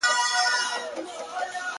په ما څه چل ګراني خپل ګران افغانستان کړی دی,